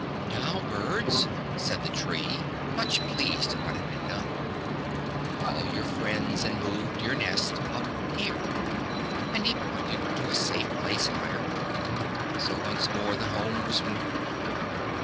Now, Birds," said the Tree, much pleased at what had been done, " call your friends and move your nest up here," and he pointed to a safe place higher; so once more the home was moved.